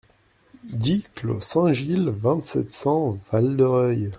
dix clos Saint-Gilles, vingt-sept, cent, Val-de-Reuil